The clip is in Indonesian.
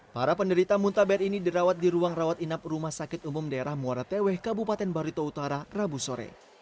para penderita muntaber ini dirawat di ruang rawat inap rumah sakit umum daerah muara teweh kabupaten barito utara rabu sore